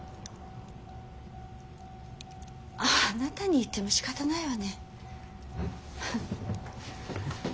あなたに言ってもしかたないわね。